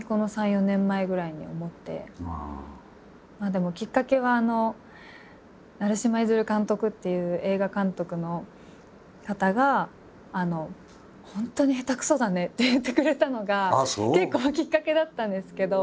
でもきっかけは成島出監督っていう映画監督の方が「本当に下手くそだね」って言ってくれたのが結構きっかけだったんですけど。